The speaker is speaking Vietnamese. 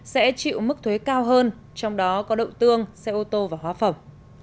sẽ chịu mức thuế cao hơn trong đó có đậu tương xe ô tô và hóa phẩm